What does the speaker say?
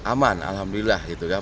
aman alhamdulillah administros luas itu